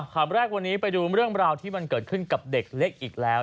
คำแรกวันนี้ไปดูเรื่องราวที่มันเกิดขึ้นกับเด็กเล็กอีกแล้ว